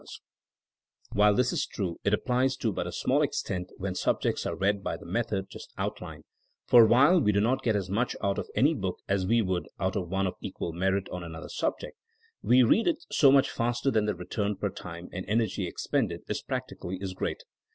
THINKING AS A SOIENOE 187 While this is true it applies to but a small ex tent when subjects are read by the method just outlined, for while we do not get as much out of any book as we would out of one of equal merit on another subject, we read it so much faster that the return per time and energy ex pended is practically as great.